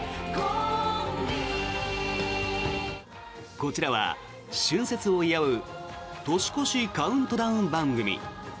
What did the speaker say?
こちらは春節を祝う年越しカウントダウン番組。